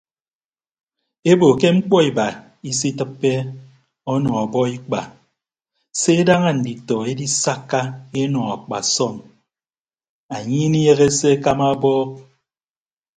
Ebo ke mkpọ iba isitịppe ọnọ ọbọikpa se daña nditọ edisakka enọ akpasọm anye inieehe se akama abọọk.